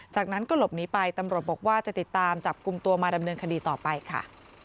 จากนั้นก็หลบหนีไปตำรวจบอกว่าจะติดตามจับกลุ่มตัวมาดำเนินคดีต่อไปค่ะ